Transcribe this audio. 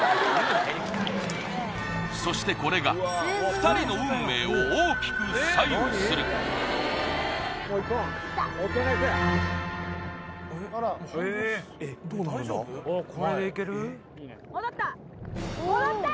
そしてこれが２人の運命を大きく左右するもういった？